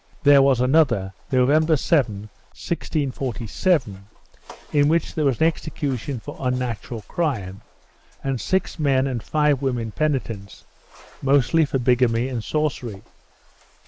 There was another, November 7, 1647, in which there was an execution for unnatural crime and six men and five women penitents, mostly for bigamy and sorcery.